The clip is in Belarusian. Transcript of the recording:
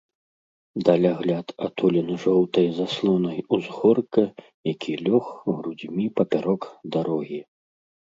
Далягляд атулены жоўтай заслонай узгорка, які лёг грудзьмі папярок дарогі.